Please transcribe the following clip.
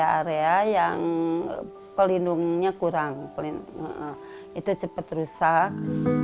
yang di area area yang pelindungnya kurang itu cepat rusak